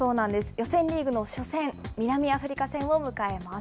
予選リーグの初戦、南アフリカ戦を迎えます。